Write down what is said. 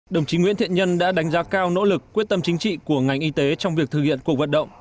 đồng chí nguyễn thiện nhân đã đánh giá cao nỗ lực quyết tâm chính trị của ngành y tế trong việc thực hiện cuộc vận động